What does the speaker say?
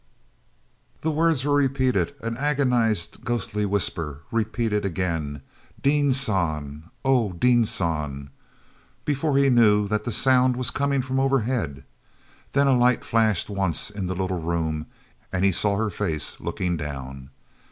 The words were repeated, an agonized, ghostly whisper—repeated again, "Dean San—oh, Dean San," before he knew that the sound was coming from overhead. Then a light flashed once in the little room, and he saw her face, looking down.